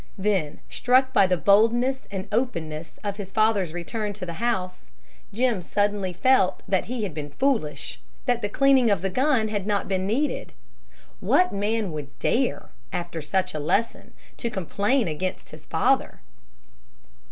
Then, struck by the boldness and openness of his father's return to the house, Jim suddenly felt that he had been foolish; that the cleaning of the gun had not been needed. What man would dare, after such a lesson, to complain against his father!